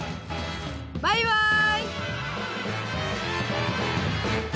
バイバイ！